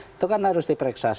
itu kan harus diperhatikan